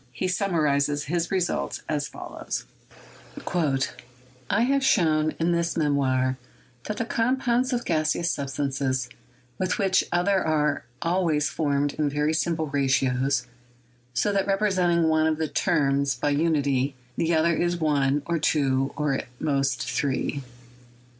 He summarized his results as follows : "I have shown in this memoir that the compounds of gaseous substances with each other are always formed in very simple ratios, so that representing one of the terms by unity, the other is one, or two, or at most three.